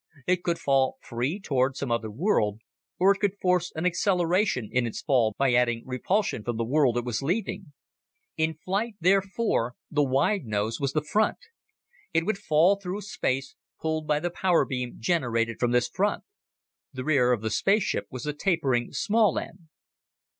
It could fall free toward some other world, or it could force an acceleration in its fall by adding repulsion from the world it was leaving. In flight, therefore, the wide nose was the front. It would fall through space, pulled by the power beam generated from this front. The rear of the spaceship was the tapering, small end.